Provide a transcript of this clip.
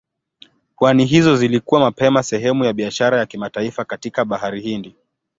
Pwani hizo zilikuwa mapema sehemu ya biashara ya kimataifa katika Bahari Hindi.